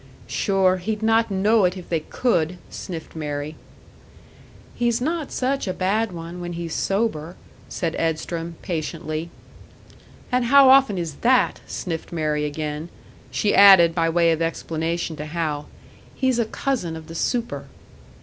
"Sure, he'd not know it if they could!" sniffed Mary. "He's not such a bad one, when he's sober," said Edstrom, patiently. "And how often is that?" sniffed Mary again. She added, by way of explanation to Hal, "He's a cousin of the super."